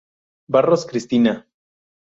Barros, Cristina.